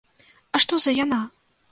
А што за яна?